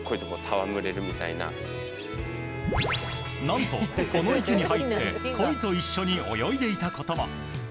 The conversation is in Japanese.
何と、池に入ってコイと一緒に泳いでいたことも。